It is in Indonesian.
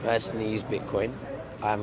saya tidak menggunakan bitcoin secara pribadi